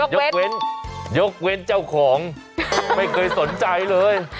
ยกเว้นยกเว้นเจ้าของไม่เคยสนใจเลย